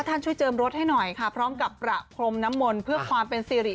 ช่วยเจิมรถให้หน่อยค่ะพร้อมกับประพรมน้ำมนต์เพื่อความเป็นสิริ